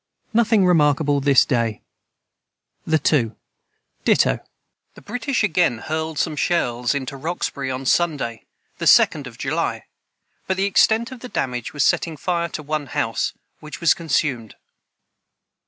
Nothing remarkable this day. the 2. Dito. [Footnote 127: The British again hurled some shells into Roxbury on Sunday, the 2d of July, but the extent of the damage was setting fire to one house, which was consumed.